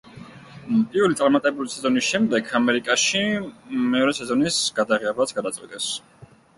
პირველი წარმატებული სეზონის შემდეგ, ამერიკაში მეორე სეზონის გადაღებაც გადაწყვიტეს.